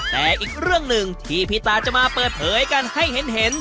แต่อีกเรื่องหนึ่งที่พี่ตาจะมาเปิดเผยกันให้เห็น